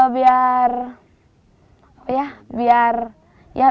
biar apa kalau ada laptop